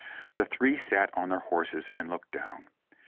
The three sat on their horses and looked down.